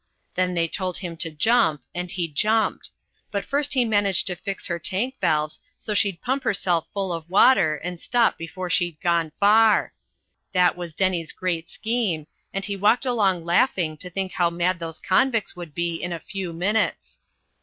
Then they told him to jump, and he jumped; but first he managed to fix her tank valves so she'd pump herself full of water and stop before she'd gone far. That was Denny's great scheme, and he walked along laughing to think how mad those convicts would be in a few minutes.